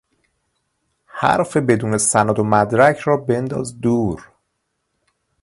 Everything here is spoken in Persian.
حرف بدون سند و مدرک را بنداز دور